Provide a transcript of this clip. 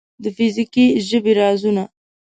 د فزیکي ژبې رازونه